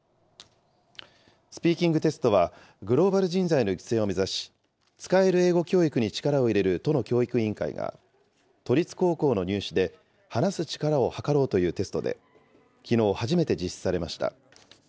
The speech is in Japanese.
スピーキングテストは、グローバル人材の育成を目指し、使える英語教育に力を入れる都の教育委員会が、都立高校の入試で話す力をはかろうというテストで、きのう初めて実施されました。